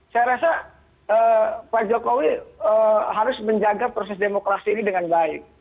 saya rasa pak jokowi harus menjaga proses demokrasi ini dengan baik